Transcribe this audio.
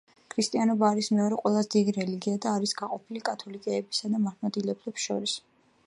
ქრისტიანობა არის მეორე ყველაზე დიდი რელიგია და არის გაყოფილი კათოლიკეებისა და მართლმადიდებლებს შორის.